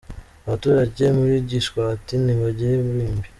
Abaturage muri Gishwati ntibagira irimbi